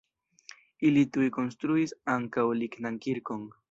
Ili tuj konstruis ankaŭ lignan kirkon.